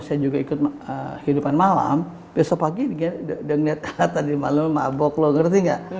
saya juga ikut hidupan malam besok pagi udah ngeliat tadi malam mabok lo ngerti nggak